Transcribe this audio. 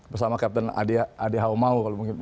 bersama captain adhao mau kalau mungkin